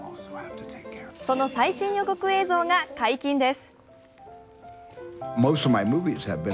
その最新予告映像が解禁です。